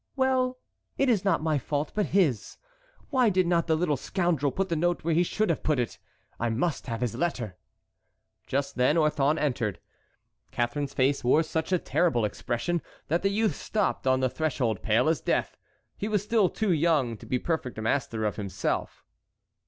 "Well, it is not my fault, but his. Why did not the little scoundrel put the note where he should have put it? I must have this letter." Just then Orthon entered. Catharine's face wore such a terrible expression that the youth stopped on the threshold pale as death. He was still too young to be perfect master of himself.